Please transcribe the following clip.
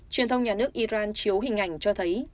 truyền thông nhà nước iran chiếu hình ảnh cho thấy